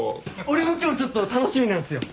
俺も今日ちょっと楽しみなんすよ。